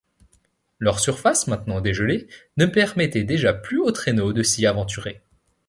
Leur surface, maintenant dégelée, ne permettait déjà plus aux traîneaux de s’y aventurer.